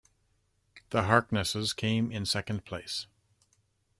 The Harkness' came in second place.